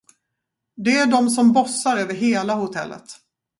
Det är dom som bossar över hela hotellet.